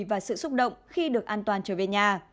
và sự xúc động khi được an toàn trở về nhà